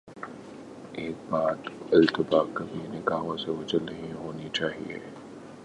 ایک بات البتہ کبھی نگاہوں سے اوجھل نہیں ہونی چاہیے۔